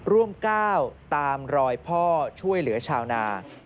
ก้าวตามรอยพ่อช่วยเหลือชาวนา